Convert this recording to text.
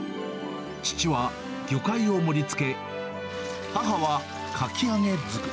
父は魚介を盛りつけ、母はかき揚げ作り。